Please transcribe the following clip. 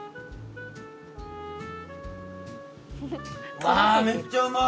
うわめっちゃうまい！